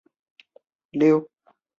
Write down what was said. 张大受的有一门生名李绂。